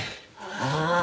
ああ